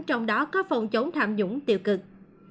trong đó có phòng chống tham nhũng tiêu cực